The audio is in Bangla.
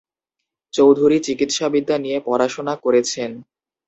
চৌধুরী চিকিৎসাবিদ্যা নিয়ে পড়াশোনা করেছেন।